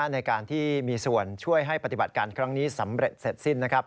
ในการที่มีส่วนช่วยให้ปฏิบัติการครั้งนี้สำเร็จเสร็จสิ้น